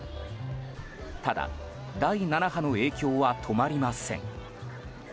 ただ、第７波の影響は止まりません。